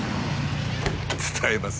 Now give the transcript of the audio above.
伝えます。